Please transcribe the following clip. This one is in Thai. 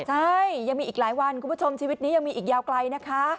ใช่ยังมีอีกหลายวันคุณผู้ชมชีวิตนี้ยังมีอีกยาวไกลนะคะ